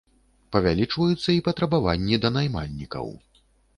Павялічваюцца і патрабаванні да наймальнікаў.